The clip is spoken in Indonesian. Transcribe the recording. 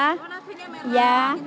oh nasinya merah